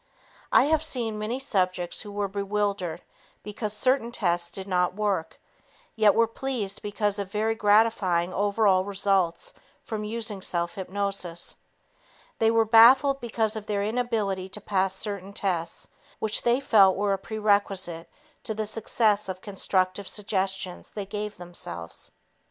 I have seen many subjects who were bewildered because certain tests did not work, yet were pleased because of very gratifying overall results from using self hypnosis. They were baffled because of their inability to pass certain tests which they felt were a prerequisite to the success of constructive suggestions they gave themselves.